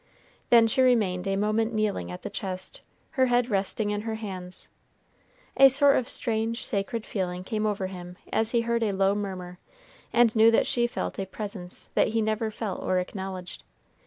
Then she remained a moment kneeling at the chest, her head resting in her hands. A sort of strange, sacred feeling came over him as he heard a low murmur, and knew that she felt a Presence that he never felt or acknowledged.